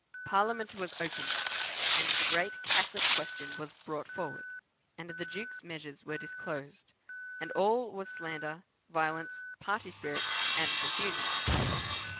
"Parliament was opened, and the great Catholic question was brought forward, and the Duke's measures were disclosed, and all was slander, violence, party spirit, and confusion.